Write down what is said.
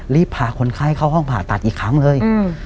รีบพาคนไข้เข้าห้องผ่าตัดอีกครั้งเลย